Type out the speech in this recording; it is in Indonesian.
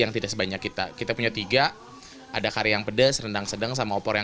yang tidak sebanyak kita kita punya tiga ada kari yang pedes rendang sedang sama opor yang